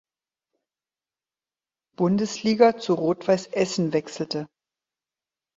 Bundesliga zu Rot-Weiss Essen wechselte.